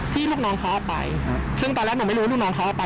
ลูกน้องเขาเอาไปซึ่งตอนแรกหนูไม่รู้ว่าลูกน้องเขาเอาไป